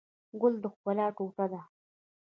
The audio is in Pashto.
ګل د ښکلا ټوټه ده.